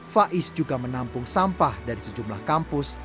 faiz juga menampung sampah dari sejumlah kampus